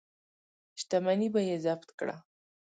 شتمني به یې ضبط کړه.